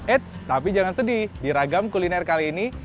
eits tapi jangan sedih di ragam kuliner kali ini